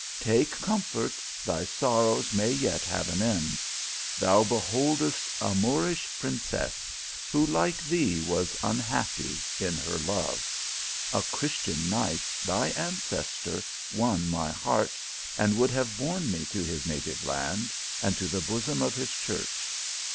44 Take comfort, thy sorrows may yet have an end, Thou beholdest a Moorish princess, who, like thee, was unhappy in her love. A Christian knight, thy ancestor, won my heart, and would have borne me to his native land, and to the bosom of his church.